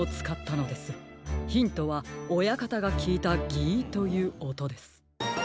ヒントは親方がきいた「ぎい」というおとです。